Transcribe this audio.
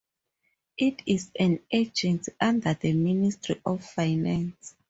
It is an agency under the Ministry of Finance.